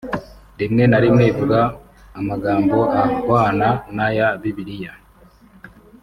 rimwe na rimwe ivuga amagambo ahwana n’aya Bibiliya